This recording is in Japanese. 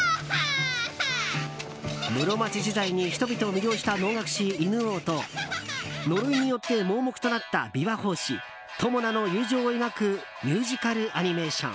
室町時代に人々を魅了した能楽師・犬王と呪いによって盲目となった琵琶法師・友魚の友情を描くミュージカルアニメーション。